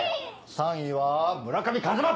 ３位は村上一真！